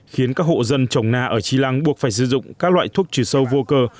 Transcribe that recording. khiến các hộ dân trồng na ở tri lăng buộc phải sử dụng các loại thuốc trừ sâu vô cơ